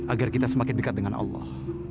agar kita semakin dekat dengan allah